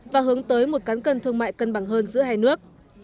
và hướng tới một cán cân thương mại cân bằng hơn giữa hai nước